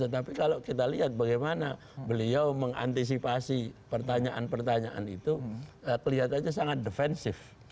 tetapi kalau kita lihat bagaimana beliau mengantisipasi pertanyaan pertanyaan itu kelihatannya sangat defensif